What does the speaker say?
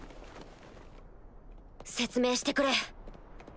説明してくれ。